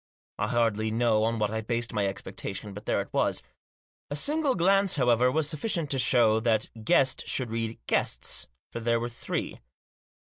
I hardly know on what I based my expectation, but there it was. A single glance, however, was sufficient to show that "guest" should read "guests," for they were three.